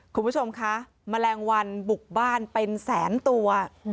คุณผู้ชมคะแมลงวันบุกบ้านเป็นแสนตัว